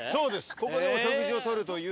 ここでお食事を取るという。